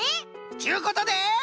っちゅうことで。